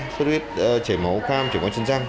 xuất huyết chảy máu cam chảy máu chân răng